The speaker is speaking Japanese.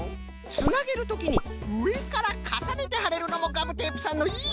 つなげるときにうえからかさねてはれるのもガムテープさんのいいところじゃな。